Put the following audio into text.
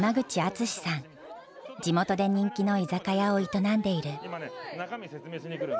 地元で人気の居酒屋を営んでいる。